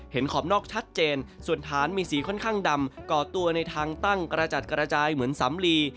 ขอบนอกชัดเจนส่วนฐานมีสีค่อนข้างดำก่อตัวในทางตั้งกระจัดกระจายเหมือนสำลี